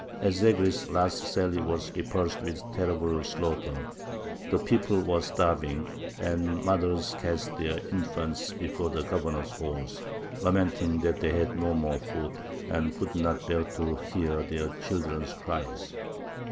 Ez Zegry's last sally was repulsed with terrible slaughter; the people were starving, and mothers cast their infants before the governor's horse, lamenting that they had no more food and could not bear to hear their children's cries.